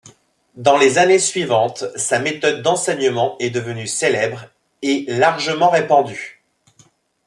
Dans les années suivantes, sa méthode d’enseignement est devenue célèbre et largement répandue.